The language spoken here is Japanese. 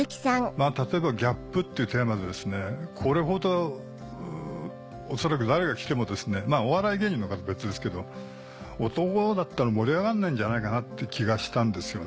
例えばギャップっていうテーマでこれほど恐らく誰が来てもお笑い芸人の方は別ですけど男だったら盛り上がんないんじゃないかなって気がしたんですよね。